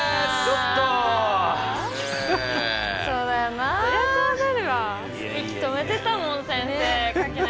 そうだよな。